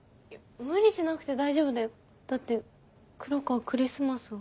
無理しなくて大丈夫だよだって黒川クリスマスは。